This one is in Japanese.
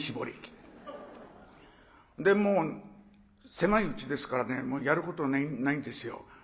もう狭いうちですからねやることないんですよ。